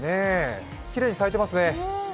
きれいに咲いてますね。